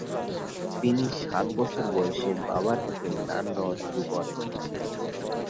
তিনি সাত বছর বয়সে বাবার কাছে গান গাওয়া শুরু করেন।